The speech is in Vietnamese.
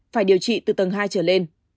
phải điều trị từ tầng hai trở lên